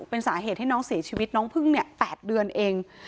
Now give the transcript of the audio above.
เป็นสาเหตุให้น้องเสียชีวิตน้องพึ่งเนี่ย๘เดือนเอง